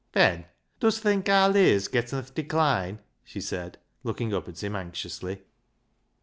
*' Ben, dust think aar Leah's getten th' decline? " she said, looking up at him anxiously.